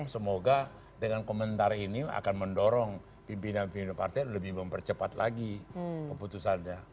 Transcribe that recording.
semoga dengan komentar ini akan mendorong pimpinan pimpinan partai lebih mempercepat lagi keputusannya